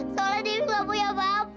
soalnya dewi gak punya bapak